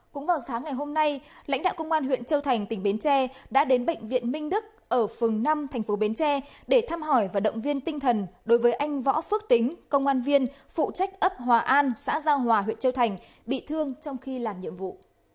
cũng vào sáng ngày hôm nay lãnh đạo công an huyện châu thành tỉnh bến tre đã đến bệnh viện minh đức ở phường năm thành phố bến tre để thăm hỏi và động viên tinh thần đối với anh võ phước tính công an viên phụ trách ấp hòa an xã giao hòa huyện châu thành bị thương trong khi làm nhiệm vụ